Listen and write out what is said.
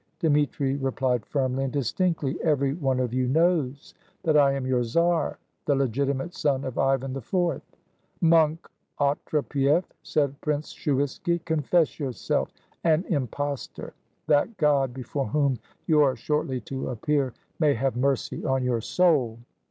Dmitri replied firmly and distinctly, — "Every one of you knows that I am your czar, the legitimate son of Ivan IV." "Monk Otrepief," said Prince Shuiski, "confess your self an impostor, that God, before whom you are shortly to appear, may have mercy on your soul."